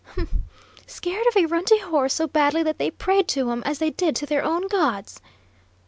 "Huh! Scared of a runty horse so badly that they prayed to 'em as they did to their own gods!"